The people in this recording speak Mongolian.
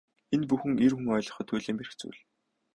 Энэ бүхэн эр хүн ойлгоход туйлын бэрх зүйл.